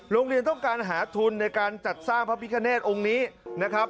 โรงเรียนต้องการหาทุนในการจัดสร้างพระพิคเนตองค์นี้นะครับ